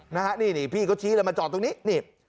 นะฮะนี่นี่พี่เขาชี้เลยมาจอดตรงนี้